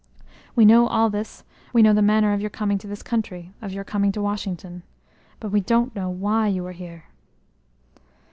We know all this; we know the manner of your coming to this country; of your coming to Washington. But we don't know why you are here."